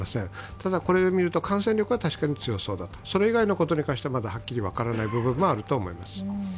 ただ、これを見ると感染力は確かに強そうだと。それ以外のことに関してはまだはっきり分からない部分があると思います。